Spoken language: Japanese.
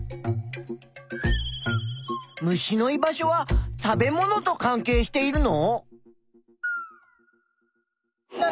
虫の居場所は食べものとかんけいしているの？